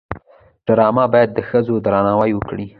ډرامه باید د ښځو درناوی وکړي